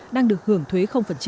đang được hưởng thuế